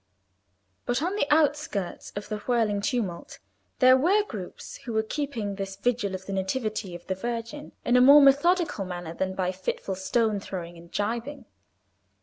But on the outskirts of the whirling tumult there were groups who were keeping this vigil of the Nativity of the Virgin in a more methodical manner than by fitful stone throwing and gibing.